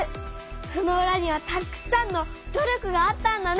そのうらにはたくさんの努力があったんだね！